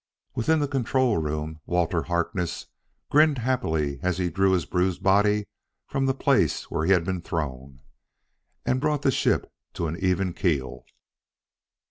Within the control room Walter Harkness grinned happily as he drew his bruised body from the place where he had been thrown, and brought the ship to an even keel.